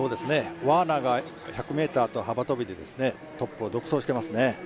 ワーナーが１００ｍと幅跳でトップを独走していますね。